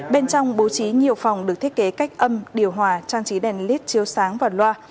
bên trong bố trí nhiều phòng được thiết kế cách âm điều hòa trang trí đèn led chiếu sáng và loa